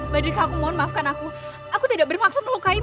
berdikah aku mohon kamu tidak boleh mati